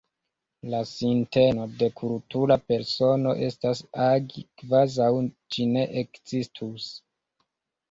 La sinteno de kultura persono estas agi kvazaŭ ĝi ne ekzistus.